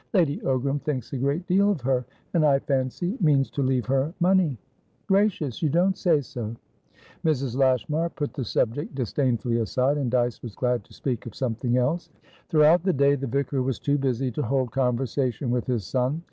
"Lady Ogram thinks a great deal of her, and, I fancy, means to leave her money." "Gracious! You don't say so!" Mrs. Lashmar put the subject disdainfully aside, and Dyce was glad to speak of something else. Throughout the day, the vicar was too busy to hold conversation with his son.